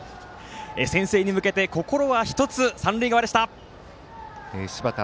先制に向けて、心は１つ三塁側でした。